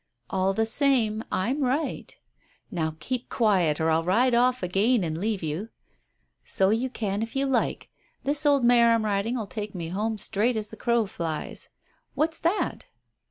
"All the same I'm right." "Now keep quiet, or I'll ride off again and leave you." "So you can if you like; this old mare I'm riding will take me home straight as the crow flies. What's that?"